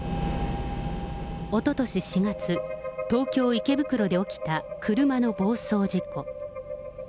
おととし４月、東京・池袋で起きた車の暴走事故。